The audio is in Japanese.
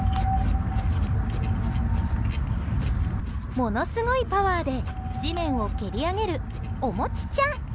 ものすごいパワーで地面を蹴り上げるおもちちゃん。